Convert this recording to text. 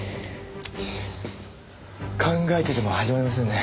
考えてても始まりませんね。